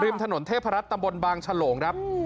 ถนนเทพรัฐตำบลบางฉลงครับ